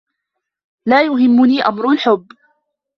لا يهمّني أمر الحب.